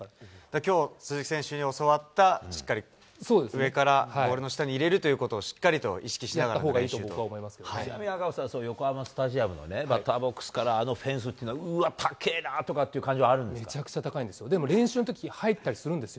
きょう、鈴木選手に教わった、しっかり上からボールの下に入れるということをしっかりと意識しやったほうがいいと、僕は思ちなみに赤星さん、横浜スタジアムのバッターボックスから、あのフェンスっていうのは、うわ、むちゃくちゃ高いんですよ、入ったりするんですよ。